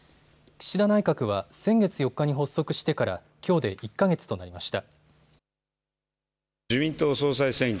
岸田内閣は先月４日に発足してからきょうで１か月となりました。